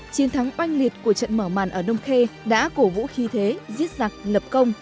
chiến thắng oanh liệt của trận mở màn ở đông khê đã cổ vũ khí thế giết giặc lập công